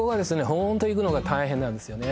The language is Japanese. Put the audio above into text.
ホント行くのが大変なんですよね